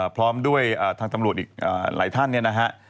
พร้อมด้วยทางตำรวจอีกหลายท่านเนี่ยนะฮะ